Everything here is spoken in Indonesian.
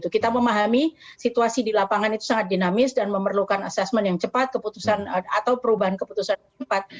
kita memahami situasi di lapangan itu sangat dinamis dan memerlukan asesmen yang cepat keputusan atau perubahan keputusan yang cepat